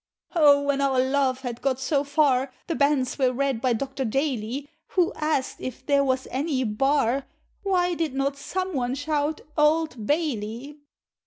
Oh! when our love had got so far, The banns were read by Doctor Daly, Who asked if there was any bar Why did not some one shout "Old Bailey"?